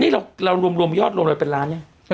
นี่เรารวมยอดรวมเรื่อยเป็นล้านอ่ะ